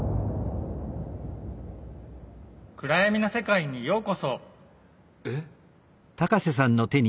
暗闇の世界にようこそ！え？